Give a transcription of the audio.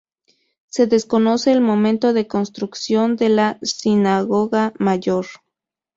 Se desconoce el momento de construcción de la Sinagoga Mayor.